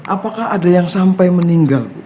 apakah ada yang sampai meninggal